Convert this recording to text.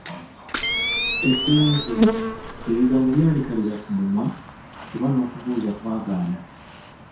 Eddenzi ebigambo byalikalira ku mumwa kuba n'okubuuza kwagaana.